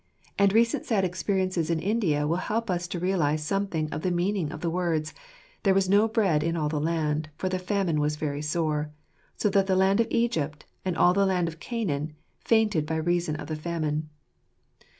And recent sad experiences in India will help us to realize something of the meaning of the words :" There was no bread in all the land, for the famine was very sore ; so that the land of Egypt, and all the land of Canaan, fainted by reason of the famine."